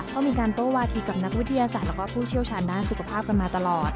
ก็มีการโต้วาทีกับนักวิทยาศาสตร์แล้วก็ผู้เชี่ยวชาญด้านสุขภาพกันมาตลอด